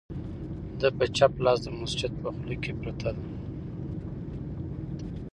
د په چپ لاس د مسجد په خوله کې پرته ده،